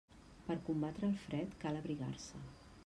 Per combatre el fred, cal abrigar-se.